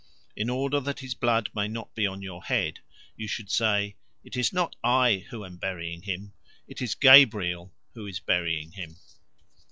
In order that his blood may not be on your head, you should say: "It is not I who am burying him, It is Gabriel who is burying him."